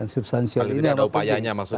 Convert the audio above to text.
substansial ini ada upayanya maksudnya